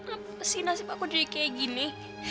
kenapa sih nasib aku jadi kayak gini